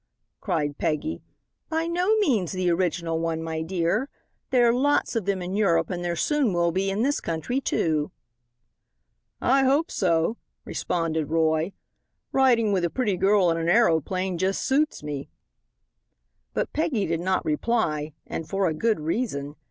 cried Peggy, "by no means the original one, my dear. There are lots of them in Europe and there soon will be in this country, too." "I hope so," responded Roy, "riding with a pretty girl in an aeroplane just suits me." But Peggy did not reply, and for a good reason.